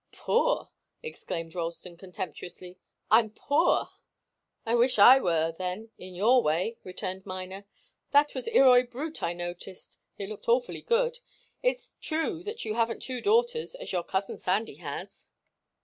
"Poor!" exclaimed Ralston, contemptuously. "I'm poor." "I wish I were, then in your way," returned Miner. "That was Irroy Brut, I noticed. It looked awfully good. It's true that you haven't two daughters, as your cousin Sandy has."